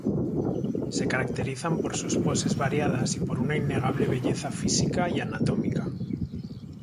Se caracterizan por sus poses variadas y por una innegable belleza física y anatómica.